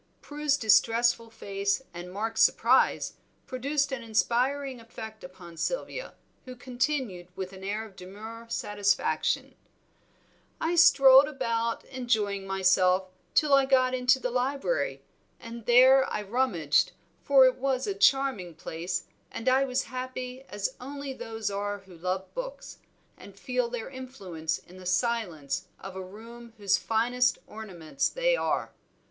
Prue's distressful face and Mark's surprise produced an inspiring effect upon Sylvia, who continued, with an air of demure satisfaction "I strolled about, enjoying myself, till I got into the library, and there I rummaged, for it was a charming place, and I was happy as only those are who love books, and feel their influence in the silence of a room whose finest ornaments they are."